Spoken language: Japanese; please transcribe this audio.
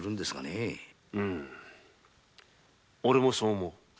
おれもそう思う。